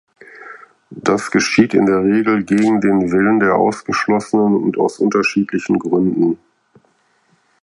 Das geschieht in der Regel gegen den Willen des Ausgeschlossenen und aus unterschiedlichen Gründen.